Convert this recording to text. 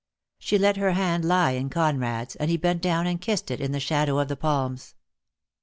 She let her hand lie in Conrad's, and he bent down and kissed it in the shadow of the palms.